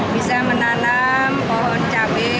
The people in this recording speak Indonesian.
bisa menanam pohon cabai